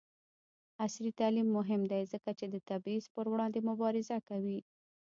عصري تعلیم مهم دی ځکه چې د تبعیض پر وړاندې مبارزه کوي.